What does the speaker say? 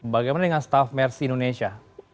bagaimana dengan staff mercy indonesia